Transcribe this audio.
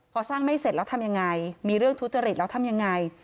พอสร้างไม่เสร็จแล้วทำยังไงมีเรื่องทุจริตแล้วทำยังไง